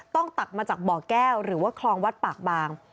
ตักมาจากบ่อแก้วหรือว่าคลองวัดปากบาง